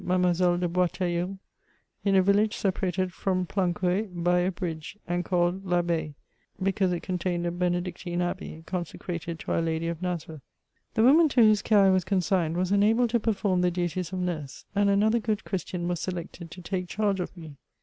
Mademoiselle de Bois* teilleul, in a village separated from Plancouet by a bridge, and called I'Abbaye, because it contained a Benedictine Abbey consecrated to our Lady of Nazareth. The woman to whose care I was consigned, was unable to perform the duties of nurse, and another good Christiaa was selected to take charge of me.